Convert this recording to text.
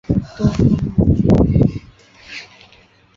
吏部尚书王直曾孙。